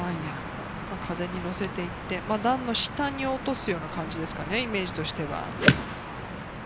風にのせていって、段の下に落とすような感じですかね、イメージとしては。